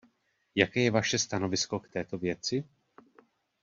Jaké je vaše stanovisko k této věci?